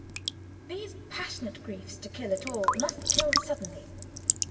These passionate griefs, to kill at all, must kill suddenly.